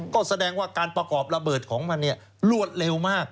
ก็แสดงว่าการประกอบระเบิดของมันรวดเร็วมาก